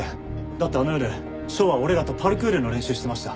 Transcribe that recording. だってあの夜翔は俺らとパルクールの練習してました。